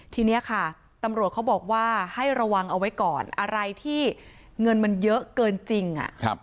ทีนี้ค่ะตำรวจเขาบอกว่าให้ระวังเอาไว้ก่อนอะไรที่เงินมันเยอะเกินจริง